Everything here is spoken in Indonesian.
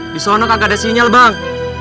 di sana gak ada sinyal bang